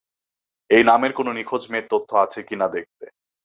এই নামের কোনো নিখোঁজ মেয়ের তথ্য আছে কি না দেখতে।